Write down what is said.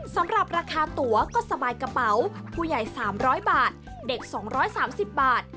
สำหรับราคาตัวก็สบายกระเป๋าผู้ใหญ่๓๐๐บาทเด็ก๒๓๐บาท